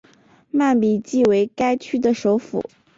曼比季为该区的首府。